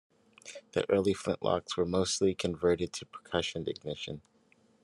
The early flintlocks were mostly converted to percussion ignition.